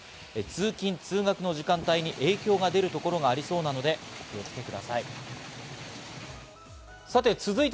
通勤通学の時間帯に影響が出るところがありそうなのでお気をつけください。